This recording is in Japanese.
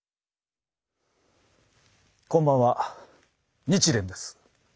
こんばんは日蓮です。